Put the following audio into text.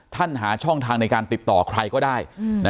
หาช่องทางในการติดต่อใครก็ได้